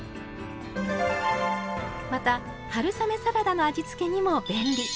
また春雨サラダの味付けにも便利。